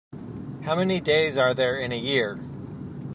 How many days are there in a year?